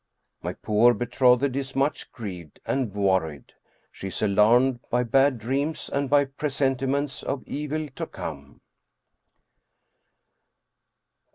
My poor betrothed is much grieved and worried. She is alarmed by bad dreams and by presentiments of evil to come.